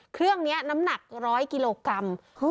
เครื่องนี้น้ำหนัก๑๐๐กิโลกรัม